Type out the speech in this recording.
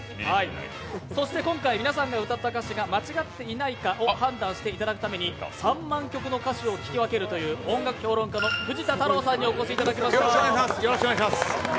今回、皆さんが歌った歌詞が間違っていないか判断していただくために、３万曲の音楽を聴き分けるという音楽家の音楽評論家の藤田太郎さんにお越しいただきました。